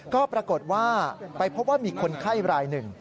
ก็ปรากฏว่าไปพบว่ามีคนไข้รายหนึ่ง